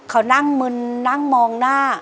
เขานั่งมึนนั่งมองหน้า